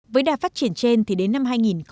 với đà phát triển trên thì đến năm hai nghìn hai mươi năm